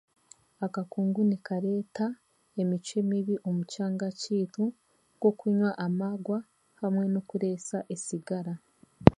Akakungu nikareeta emicwe mibi omu kyanga kyaitu nk'okunywa amaagwa hamwe n'okureesa esigara